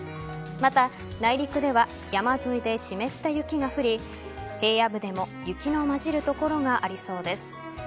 また、内陸では山沿いで湿った雪が降り平野部でも雪のまじる所がありそうです。